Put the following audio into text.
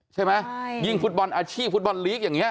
ใช่ไหมยิ่งฟุตบอลอาชีพฟุตบอลลีกอย่างนี้